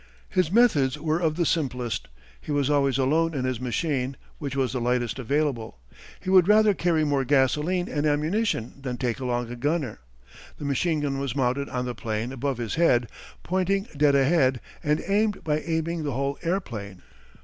His methods were of the simplest. He was always alone in his machine, which was the lightest available. He would rather carry more gasoline and ammunition than take along a gunner. The machine gun was mounted on the plane above his head, pointing dead ahead, and aimed by aiming the whole airplane.